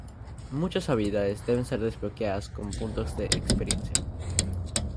Muchas habilidades deben ser desbloqueadas con puntos de experiencia.